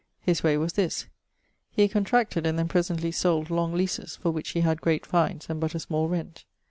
His way was this. He contracted, and then presently sold long leases, for which he had great fines and but a small rent.